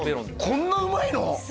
こんなうまいの！？